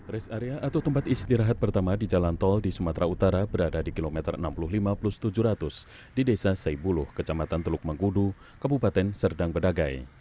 res area atau tempat istirahat pertama di jalan tol di sumatera utara berada di kilometer enam puluh lima plus tujuh ratus di desa saibuluh kecamatan teluk menggudu kabupaten serdang bedagai